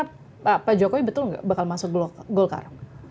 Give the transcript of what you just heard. pak jokowi betul nggak bakal masuk golkar